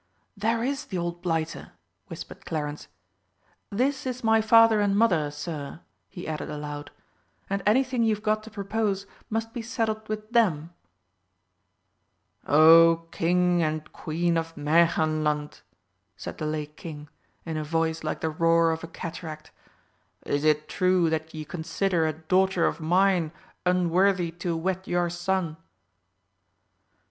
"There is the old blighter!" whispered Clarence. "This is my Father and Mother, Sir," he added aloud, "and anything you've got to propose must be settled with them." "O King and Queen of Märchenland!" said the Lake King, in a voice like the roar of a cataract, "is it true that ye consider a daughter of mine unworthy to wed your son?"